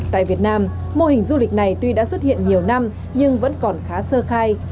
tại việt nam mô hình du lịch này tuy đã xuất hiện nhiều năm nhưng vẫn còn khá sơ khai